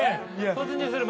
突入する。